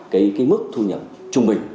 cái mức thu nhập trung bình